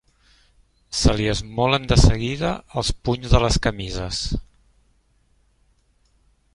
Se li esmolen de seguida els punys de les camises.